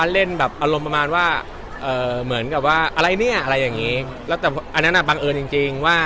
ผมเล่นแบบเอารมณ์ประมาณว่าเอิร์นเหมือนกับว่าอะไรเนี้ยอะไรอย่างนี้